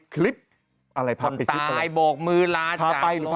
คลิปตายบวกมือลาจากโลก